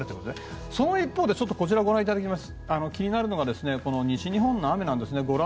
その一方で、気になるのが西日本の雨なんです。